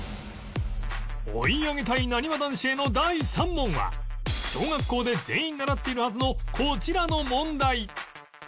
追い上げたいなにわ男子への第３問は小学校で全員習っているはずのこちらの問題